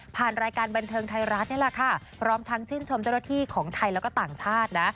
รายการบันเทิงไทยรัฐนี่แหละค่ะพร้อมทั้งชื่นชมเจ้าหน้าที่ของไทยแล้วก็ต่างชาตินะ